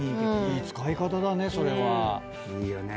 いい使い方だねそれは。いいよね。